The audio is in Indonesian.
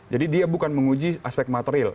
jadi dia bukan menguji aspek material